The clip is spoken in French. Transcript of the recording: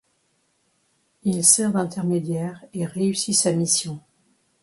Il sert d'intermédiaire et réussit sa mission.